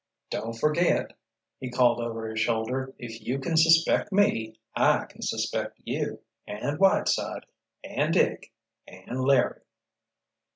"Don't forget," he called over his shoulder, "if you can suspect me, I can suspect you—and Whiteside—and Dick—and Larry!"